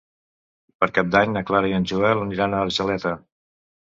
Per Cap d'Any na Clara i en Joel aniran a Argeleta.